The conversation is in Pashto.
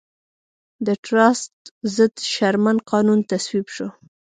د ټراست ضد شرمن قانون تصویب شو.